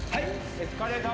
エスカレーター」